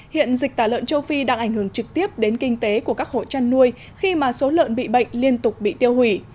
hiện dịch tả lợn châu phi đang ảnh hưởng trực tiếp đến kinh tế của các hộ chăn nuôi khi mà số lợn bị bệnh liên tục bị tiêu hủy